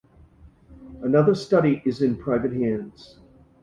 Another study is in private hands.